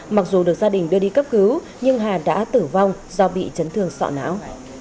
mặc dù được gia đình đưa đi cấp cứu nhưng hà đã tử vong do bị chấn thương sọ não